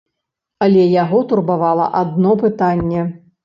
Але яго турбавала адно пытанне.